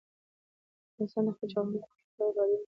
افغانستان د خپلې جغرافیې له مخې پوره له بادي انرژي څخه ډک دی.